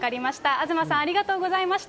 東さん、ありがとうございました。